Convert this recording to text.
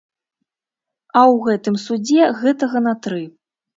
А ў гэтым судзе гэтага на тры.